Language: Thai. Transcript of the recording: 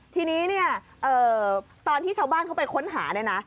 ทีนี้ตอนที่ชาวบ้านเขาไปค้นหา